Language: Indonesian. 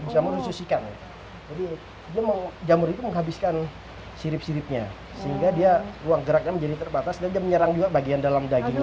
jadi jamur itu menghabiskan sirip siripnya sehingga dia ruang geraknya menjadi terbatas dan dia menyerang juga bagian dalam dagingnya